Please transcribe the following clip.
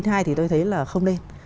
a chín mươi hai thì tôi thấy là không nên